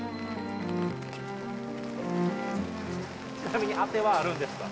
ちなみに、当てはあるんですか？